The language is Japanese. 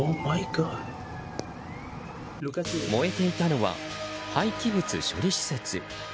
燃えていたのは廃棄物処理施設。